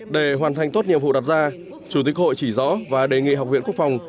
để hoàn thành tốt nhiệm vụ đặt ra chủ tịch hội chỉ rõ và đề nghị học viện quốc phòng